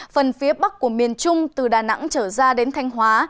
phần phía bắc của miền trung từ đà nẵng trở ra đến thanh hóa